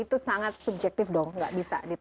itu sangat subjektif dong tidak bisa ditangani